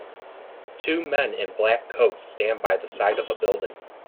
Two men in black coats stand by the side of a building.